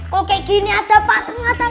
kalo kayak gini ada patung ada